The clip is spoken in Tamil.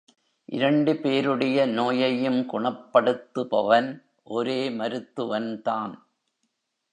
இரண்டு பேருடைய நோயையும் குணப்படுத்துபவன் ஒரே மருத்துவன் தான்.